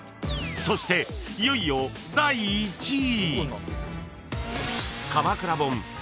［そしていよいよ第１位］